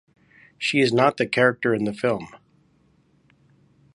She is not the character in the film.